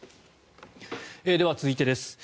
では、続いてです。